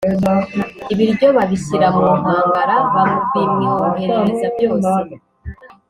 ibiryo babishyira mu nkangara babimwoherereza byose